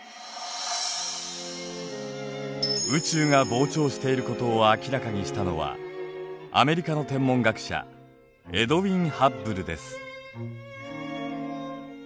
宇宙が膨張していることを明らかにしたのはアメリカの天文学者エドウィン・ハッブルです。